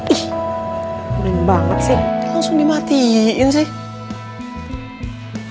ih kering banget sih langsung dimatiin sih